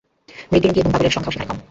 মৃগীরোগী এবং পাগলের সংখ্যাও সেখানে কম।